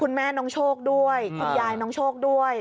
น้องโชคด้วยคุณยายน้องโชคด้วย